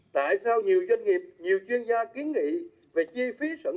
tại sao nhiều doanh nghiệp nhiều chuyên gia kiến nghị